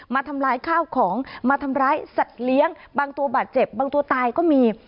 มาทำลายข้าวของมาทำร้ายสัตว์เลี้ยงบางตัวบาดเจ็บบางตัวตายก็มี